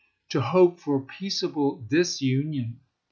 to hope for peaceable disunion.